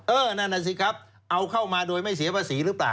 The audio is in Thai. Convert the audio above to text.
นั่นน่ะสิครับเอาเข้ามาโดยไม่เสียภาษีหรือเปล่า